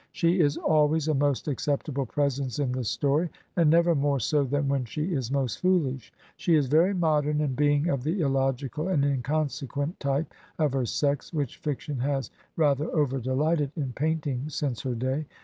She is always a most acceptable presence in the story, and never more so than when she is most fooUsh. She is very modem in being of the illogical and inconsequent type of her sex which fiction has father over delighted in painting since her day.